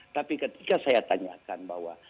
tapi ketika saya tanyakan bahwa